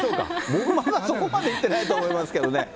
僕はまだそこまでいってないと思いますけどね。